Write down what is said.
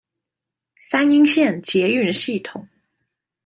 三鶯線捷運系統